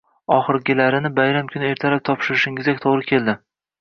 Oxirgilarini bayram kuni ertalab topshirishimizga to`g`ri keldi